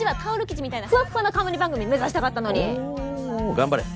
頑張れ。